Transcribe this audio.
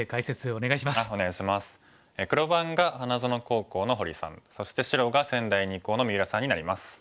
黒番が花園高校の堀さんそして白が仙台二高の三浦さんになります。